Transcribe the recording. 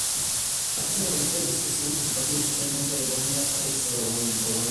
Es uno de los tres vice-presidentes del Partido Socialdemócrata de Bosnia y Herzegovina.